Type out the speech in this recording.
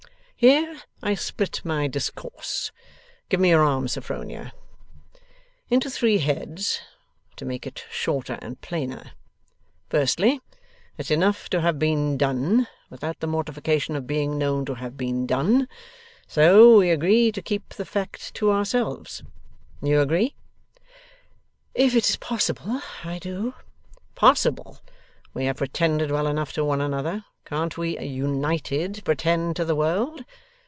Here I split my discourse (give me your arm, Sophronia), into three heads, to make it shorter and plainer. Firstly, it's enough to have been done, without the mortification of being known to have been done. So we agree to keep the fact to ourselves. You agree?' 'If it is possible, I do.' 'Possible! We have pretended well enough to one another. Can't we, united, pretend to the world?